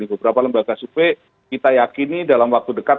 beberapa lembaga survei kita yakini dalam waktu dekat